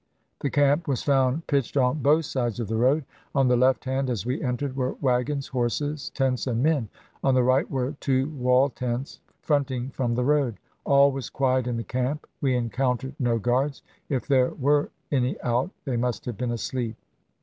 The camp was found pitched on both sides of the road. On the left hand, as we entered, were wagons, horses, tents, and men ; on the right were two wall tents, fronting from the road. All was quiet in the camp. We encountered no guards ; if there were any out, they must have been asleep."